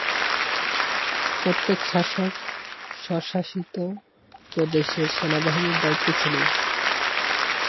প্রত্যেক শাসক স্বশাসিত প্রদেশের সেনাবাহিনীর দায়িত্বে ছিলেন।